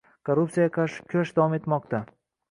Korrupsiyaga qarshi "kurash" davom etmoqda